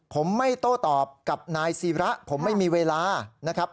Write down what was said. ผมไม่โต้ตอบกับนายศิระผมไม่มีเวลานะครับ